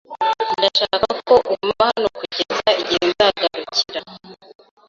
Ndashaka ko uguma hano kugeza igihe nzagarukira.